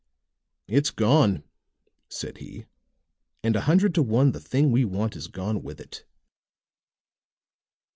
"It's gone," said he, "and a hundred to one the thing we want is gone with it."